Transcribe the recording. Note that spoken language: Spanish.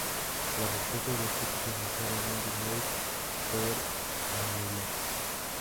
La respuesta de la crítica inicial a "Mandy Moore" fue a la media.